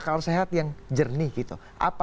akan sehat yang jernih gitu